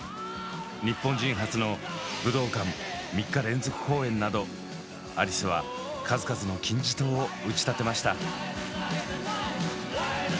日本人初の武道館３日連続公演などアリスは数々の金字塔を打ち立てました。